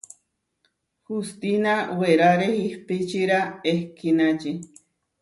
Hustína weráre ihpičira ehkínači.